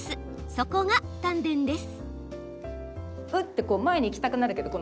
そこが丹田です。